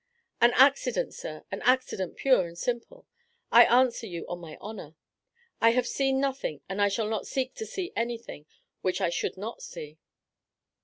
"An accident, sir, an accident pure and simple. I answer you on my honor. I have seen nothing and I shall not seek to see anything which I should not see."